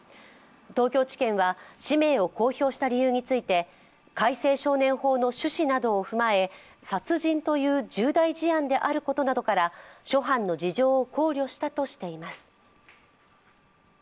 東京地検は氏名を公表した理由について前殺人という重大事案であることなどから諸般の事情を考慮したとしています。